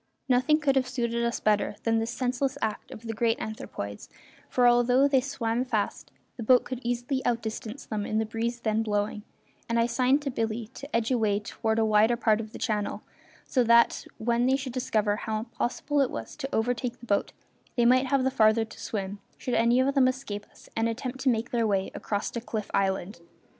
Nothing could have better suited us than this senseless act of the great anthropoids, for, although they swam fast, the boat could easily out distance them in the breeze then blowing, and I signed to Billy to edge away toward a wider part of the channel, so that when they should discover how impossible it was to overtake the boat they might have the farther to swim, should any of them escape us and attempt to make their way across to Cliff Island.